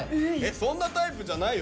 そんなタイプじゃないよ